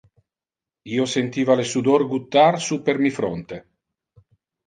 Io sentiva le sudor guttar super mi fronte.